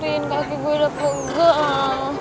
rin kaki gue udah pegal